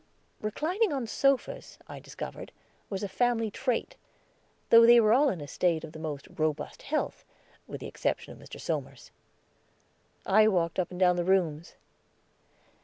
Reclining on sofas, I discovered, was a family trait, though they were all in a state of the most robust health, with the exception of Mr. Somers. I walked up and down the rooms.